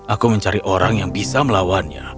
aku mencari orang yang bisa melawannya